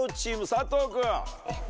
佐藤君。